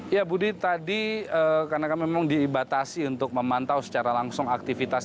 ya budi tadi karena kami memang dibatasi untuk memantau secara langsung aktivitas